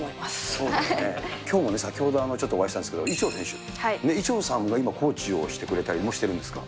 そうですね、きょうもね、先ほどちょっとお会いしたんですけど、伊調選手、伊調さんが今、コーチをしてくれたりもしてるんですか？